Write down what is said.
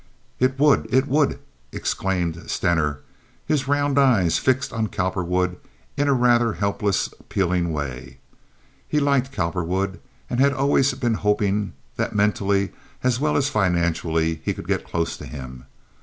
"It would, it would!" exclaimed Stener, his round eyes fixed on Cowperwood in a rather helpless, appealing way. He liked Cowperwood and had always been hoping that mentally as well as financially he could get close to him.